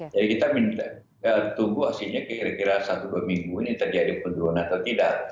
jadi kita tunggu hasilnya kira kira satu dua minggu ini terjadi penurunan atau tidak